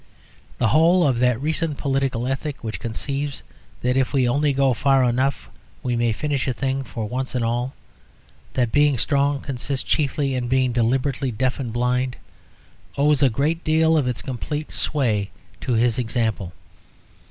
The whole of that recent political ethic which conceives that if we only go far enough we may finish a thing for once and all, that being strong consists chiefly in being deliberately deaf and blind, owes a great deal of its complete sway to his example.